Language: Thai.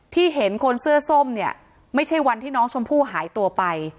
เห็นคนเสื้อส้มเนี่ยไม่ใช่วันที่น้องชมพู่หายตัวไป